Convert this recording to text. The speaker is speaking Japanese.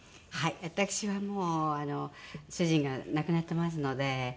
私はもう主人が亡くなってますので。